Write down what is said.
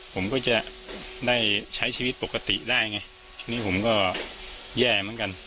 ผมก็จะได้ใช้ชีวิตปกติได้ไงนี่ผมก็แย่เหมือนกัน